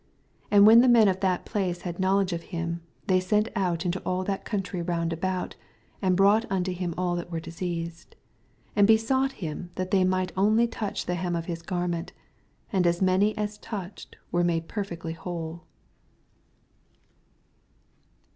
35 And when the men of that place had knowledge of him, they sent out into all that country round about, and brought unto him all that were diseased : 86 And besought him that they might only touch the hem of his gar ment \ and as many as touched were mode perfectly whole.